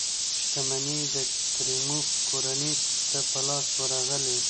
شتمنۍ یې د کریموف کورنۍ ته په لاس ورغلې.